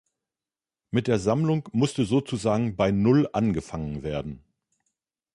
Mit der Sammlung musste sozusagen bei Null angefangen werden.